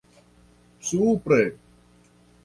supre